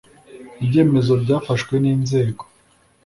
ibyemezo byafashwe n'inzego